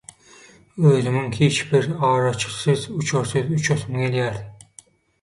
özümiň hiç bir araçysyz, uçarsyz uçasym geldi.